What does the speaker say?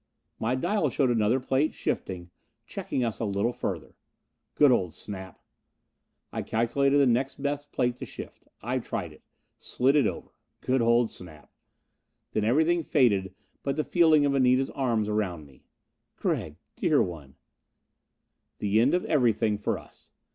My dials showed another plate shifting, checking us a little further. Good old Snap. I calculated the next best plate to shift. I tried it. Slid it over. Good old Snap.... Then everything faded but the feeling of Anita's arms around me. "Gregg, dear one " The end of everything for us....